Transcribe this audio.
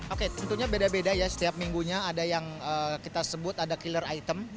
oke tentunya beda beda ya setiap minggunya ada yang kita sebut ada killer item